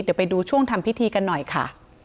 เดี๋ยวไปดูช่วงทำพิธีกันหน่อยค่ะ